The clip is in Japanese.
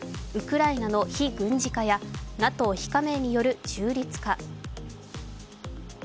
ウクライナの非軍事化やＮＡＴＯ非加盟による中立化。